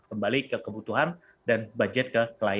kembali ke kebutuhan dan budget ke yang lain